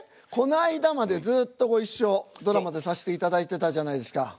こないだまでずっとご一緒ドラマでさせていただいてたじゃないですか。